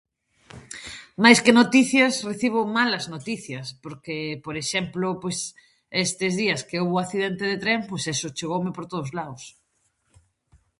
Máis que noticias recibo malas noticias porque, por exemplo, pois estes días que houbo accidente de tren, pois eso, chegoume por todos laos.